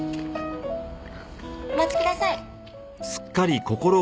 お待ちください。